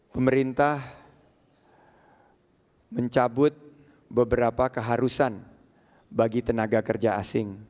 pemerintah mencabut beberapa keharusan bagi tenaga kerja asing